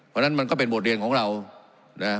เพราะฉะนั้นมันก็เป็นบทเรียนของเรานะ